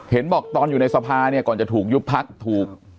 เห็นบอกตอนอยู่ในสภาเนี่ยก่อนจะถูกยุบพักถูก